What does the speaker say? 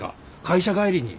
会社帰りに。